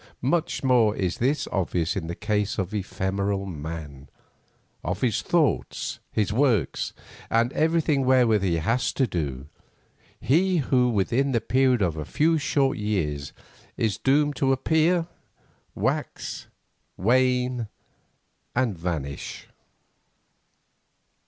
Much more is this obvious in the case of ephemeral man, of his thoughts, his works, and everything wherewith he has to do, he who within the period of a few short years is doomed to appear, wax, wane, and vanish.